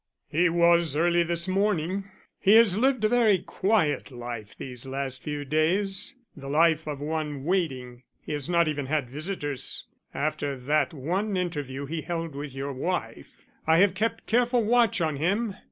"He was early this morning. He has lived a very quiet life these last few days, the life of one waiting. He has not even had visitors, after that one interview he held with your wife. I have kept careful watch on him.